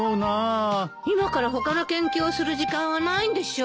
今から他の研究をする時間はないんでしょ？